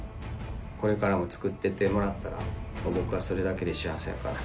これからも作ってってもらったらもう僕はそれだけで幸せやから。